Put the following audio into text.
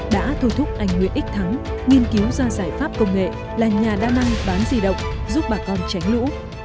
đã thôi thúc anh nguyễn ích thắng nghiên cứu ra giải pháp công nghệ là nhà đa năng bán di động giúp bà con tránh lũ